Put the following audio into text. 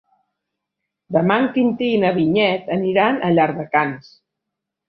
Demà en Quintí i na Vinyet aniran a Llardecans.